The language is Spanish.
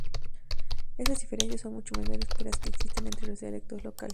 Estas diferencias son mucho menores que las que existen entre los dialectos locales.